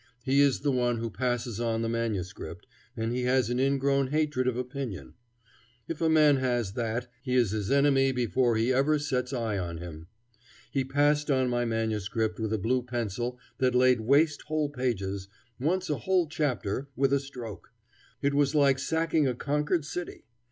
He is the one who passes on the manuscript, and he has an ingrown hatred of opinion. If a man has that, he is his enemy before he ever sets eye on him. He passed on my manuscript with a blue pencil that laid waste whole pages, once a whole chapter, with a stroke. It was like sacking a conquered city.